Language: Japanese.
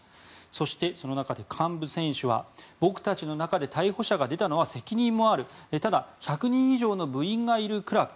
そして、その中で幹部選手は僕たちの中で逮捕者が出たのは責任もあるただ、１００人以上の部員がいるクラブ。